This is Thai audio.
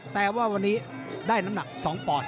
แต่ว่าวันนี้ได้น้ำหนัก๒ปอนด